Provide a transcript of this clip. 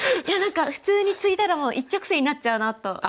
いや何か普通にツイだらもう一直線になっちゃうなと。